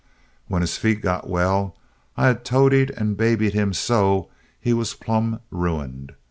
When his feet got well I had toadied and babied him so he was plum ruined.